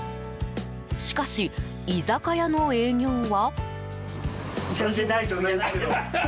しかし、居酒屋の営業は？